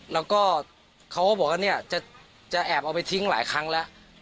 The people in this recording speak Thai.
แล้วก็เขาก็บอกว่าเนี่ยจะแอบเอาไปทิ้งหลายครั้งแล้ว